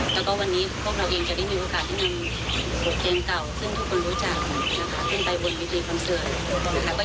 ซึ่งทุกคนรู้จักนะคะขึ้นไปบนวิทยุคอนเซิร์ตนะคะก็อยากจะให้ทุกคนไปให้กำลังแชร์